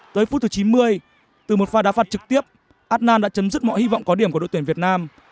tới phút thứ chín mươi từ một pha đá phạt trực tiếp atman đã chấm dứt mọi hy vọng có điểm của đội tuyển việt nam